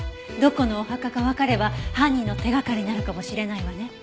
どこのお墓かわかれば犯人の手がかりになるかもしれないわね。